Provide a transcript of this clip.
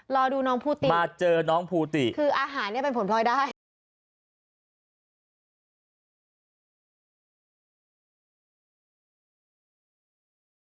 รอดูน้องภูติคืออาหารเป็นผลปลอยได้มาเจอน้องภูติ